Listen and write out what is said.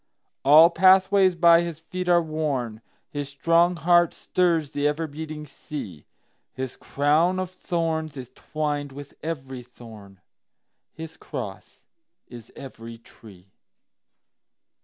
All pathways by his feet are worn, His strong heart stirs the ever beating sea, His crown of thorns is twined with every thorn, His cross is every tree.